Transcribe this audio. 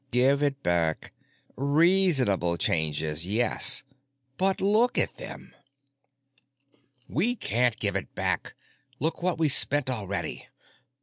"Give it back. Reasonable changes, yes, but look at them!" "We can't give it back. Look what we spent already.